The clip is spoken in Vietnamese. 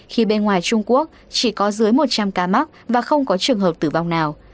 khi bên ngoài trung quốc chỉ có dưới một trăm linh ca mắc và không có trường hợp tử vong nào